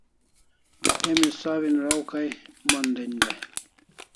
Emi sawin raw kai mon den dai